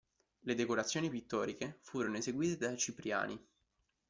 Le decorazioni pittoriche furono eseguite da Cipriani.